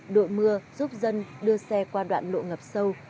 đội mưa giúp dân đưa xe qua đoạn lộ ngập sâu